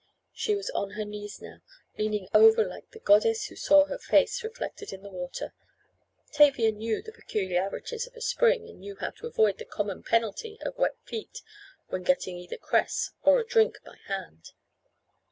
She was on her knees now, leaning over like the goddess who saw her face reflected in the water. Tavia knew the peculiarities of a spring, and knew how to avoid the common penalty of wet feet when getting either cress or a drink "by hand."